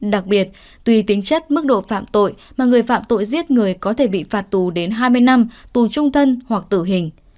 đặc biệt tùy tính chất mức độ phạm tội mà người phạm tội giết người có thể bị phạt tù đến hai mươi năm tù trung thân hoặc tử hình